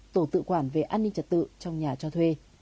tổ tự quản về an ninh trật tự trong nhà cho thuê